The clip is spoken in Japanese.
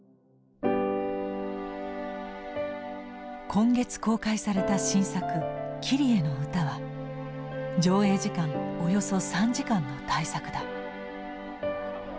今月公開された新作「キリエのうた」は上映時間およそ３時間の大作だ。